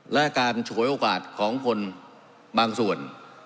และการฉวยโอกาสของคนบางส่วน